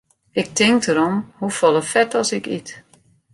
Ik tink derom hoefolle fet as ik yt.